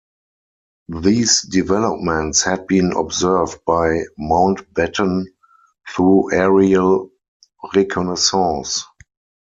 These developments had been observed by Mountbatten through aerial reconnaissance.